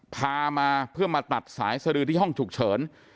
พามาเพื่อมาตัดสายสดือที่ห้องฉุกเฉิน